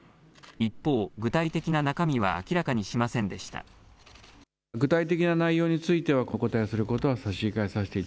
一方、具体的な中身は明らかにしませんでした。